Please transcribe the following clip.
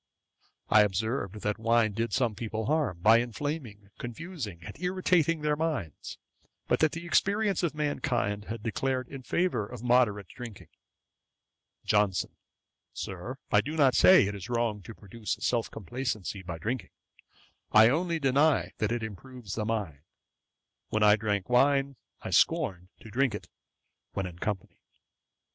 I observed, that wine did some people harm, by inflaming, confusing, and irritating their minds; but that the experience of mankind had declared in favour of moderate drinking. JOHNSON. 'Sir, I do not say it is wrong to produce self complacency by drinking; I only deny that it improves the mind. When I drank wine, I scorned to drink it when in company.